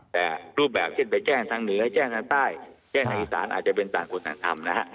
แต่รูปแบบเช่นไปแจ้งทางเหนือแจ้งทางใต้แจ้งทางอีสานอาจจะเป็นต่างคนต่างทำนะฮะ